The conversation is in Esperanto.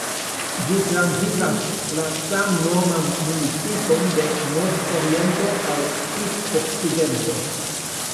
Ĝi transiras la samnoman municipon de nordoriento al sudokcidento.